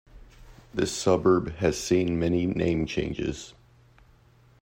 This suburb has seen many name changes.